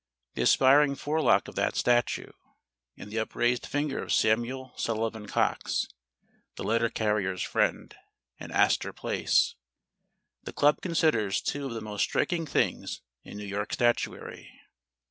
The aspiring forelock of that statue, and the upraised finger of Samuel Sullivan Cox ("The Letter Carriers' Friend") in Astor Place, the club considers two of the most striking things in New York statuary.